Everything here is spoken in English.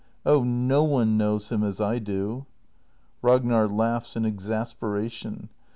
] Oh, no one knows him as I do! Ragnar. [Laughs in exasperation.